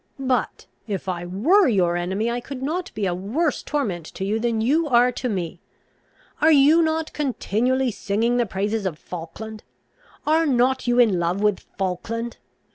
But, if I were your enemy, I could not be a worse torment to you than you are to me. Are not you continually singing the praises of Falkland? Are not you in love with Falkland?